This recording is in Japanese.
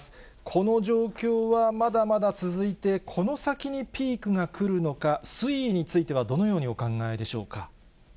この状況はまだまだ続いて、この先にピークが来るのか、推移についてはどのようにお考えでしょうか。